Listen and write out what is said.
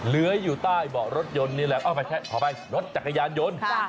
เลื้อยอยู่ใต้เบาะรถยนต์นี่แหละขออภัยรถจักรยานยนต์